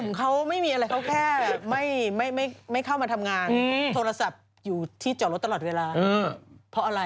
มันไม่เงียบว่าเขาไม่มาทำงานโทรศัพท์ที่จอตลอดเวลา